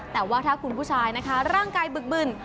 แต่ว่าถ้าคุณผู้ชายนะคะร่างกายบึกบึน